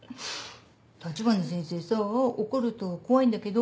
「橘先生さぁ怒ると怖いんだけど」